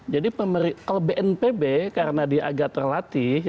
jadi bnpb karena dia agak terlatih